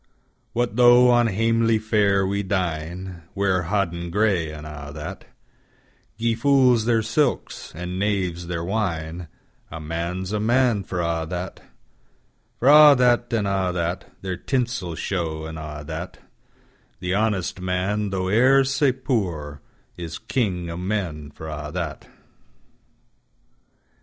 What though on hamely fare we dine, Wear hoddin grey, an' a that; Gie fools their silks, and knaves their wine;A Man's a Man for a' that:For a' that, and a' that, Their tinsel show, an' a' that; The honest man, tho' e'er sae poor, Is king o' men for a' that.